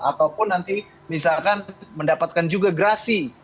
ataupun nanti misalkan mendapatkan juga gerasi